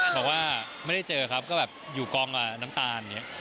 บอกว่าไม่ได้เจอครับก็อยู่กองกับน้ำตาล